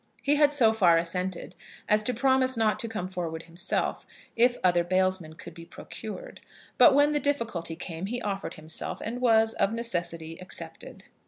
He had so far assented as to promise not to come forward himself, if other bailsmen could be procured. But, when the difficulty came, he offered himself, and was, of necessity, accepted.